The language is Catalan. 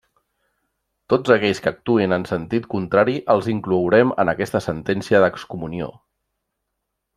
Tots aquells que actuïn en sentit contrari els inclourem en aquesta sentència d'excomunió.